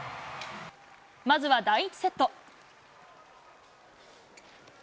まずは第１セット。